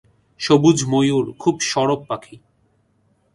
সবুজ ময়ূর খুব সরব পাখি।